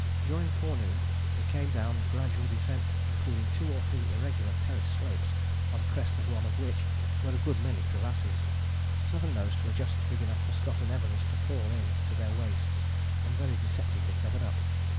During forenoon we came down gradual descent including 2 or 3 irregular terrace slopes, on crest of one of which were a good many crevasses. Southernmost were just big enough for Scott and Evans to fall in to their waists, and very deceptively covered up.